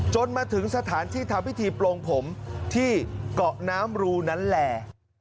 จนมาถึงสถานที่ทำพิธีโปรงผมที่เกาะน้ำรูนั้นแหละ